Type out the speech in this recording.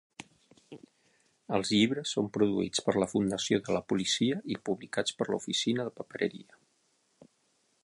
Els llibres són produïts per la Fundació de la Policia i publicats per la Oficina de Papereria.